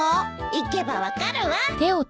行けば分かるわ。